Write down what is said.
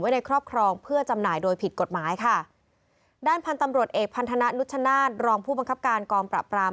ในครอบครองเพื่อจำหน่ายโดยผิดกฎหมายค่ะด้านพันธุ์ตำรวจเอกพันธนะนุชชนาศรองผู้บังคับการกองปราบราม